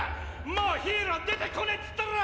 もうヒーロー出てこねぇつったろ！！